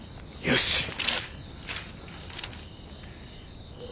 よし。